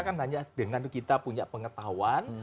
kan hanya dengan kita punya pengetahuan